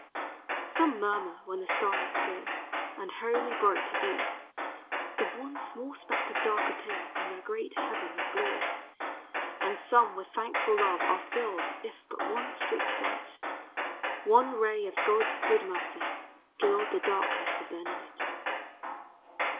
Some murmur when their sky is clear And wholly bright to view, If one small speck of dark appear In their great heaven of blue; And some with thankful love are filled If but one streak of light, One ray of God's good mercy, gild The darkness of their night.